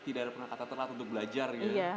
tidak ada kata telat untuk belajar